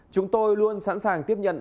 chúng tôi luôn sẵn sàng tiếp nhận